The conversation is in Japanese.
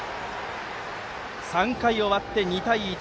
３回終わって２対１。